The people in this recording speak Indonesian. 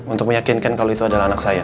untuk meyakinkan kalau itu adalah anak saya